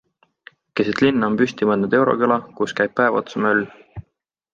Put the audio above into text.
Keset linna on püsti pandud euroküla, kus käib päev otsa möll.